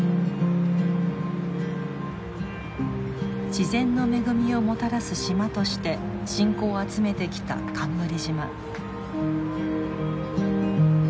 自然の恵みをもたらす島として信仰を集めてきた冠島。